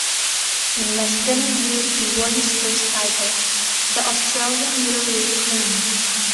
In less than a year he won his first title, the Australian Middleweight crown.